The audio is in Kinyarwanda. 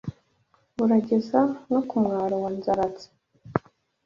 Urageza no ku mwaro wa Nzaratsi